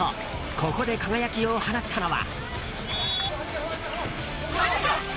ここで輝きを放ったのは。